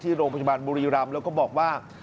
โรงพยาบาลบุรีรำแล้วก็บอกว่า